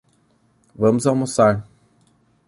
Vamos almoçar